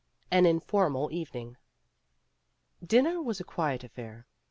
AN INFORMAL EVENING Dinner was a very quiet affair.